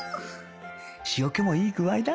塩気もいい具合だ